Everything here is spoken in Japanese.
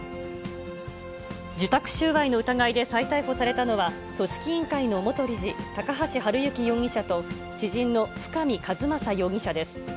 受託収賄の疑いで再逮捕されたのは、組織委員会の元理事、高橋治之容疑者と、知人の深見和政容疑者です。